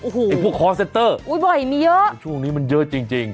โอ้โหอุ๊ยบ่อยมีเยอะช่วงนี้มันเยอะจริง